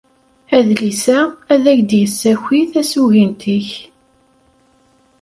Adlis-a ad ak-d-yessaki tasugint-ik.